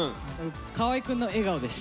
河合くんの笑顔です。